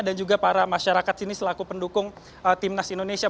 dan juga para masyarakat sini selaku pendukung tim nas indonesia